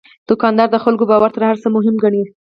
دوکاندار د خلکو باور تر هر څه مهم ګڼي.